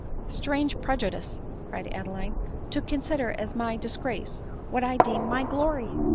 " Strange prejudice !" cried Adeline, " to consider as my disgrace, what I deem my glory